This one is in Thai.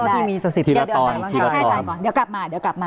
เดี๋ยวกลับมา